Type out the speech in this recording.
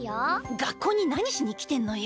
学校に何しに来てんのよ？